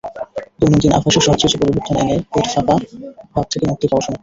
দৈনন্দিন অভ্যাসে সহজ কিছু পরিবর্তন এনে পেট ফাঁপা ভাব থেকে মুক্তি পাওয়া সম্ভব।